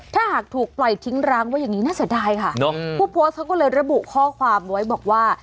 ถ้าหากถูกปล่อยทิ้งร้างไว้อย่างนี้น่าเสียดายค่ะผู้โพสต์เขาก็เลยระบุข้อความไว้บอกว่า